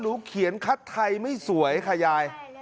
เขียนคัดไทยไม่สวยค่ะยาย